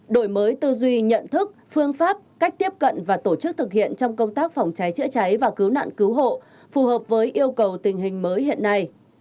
đổi mới tư duy nhận thức phương pháp cách tiếp cận và tổ chức thực hiện trong công tác phòng cháy chữa cháy và cứu nạn cứu hộ phù hợp với yêu cầu tình hình mới hiện nay